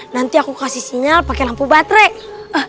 nanti aku kasih sinyal pakai lampu baterai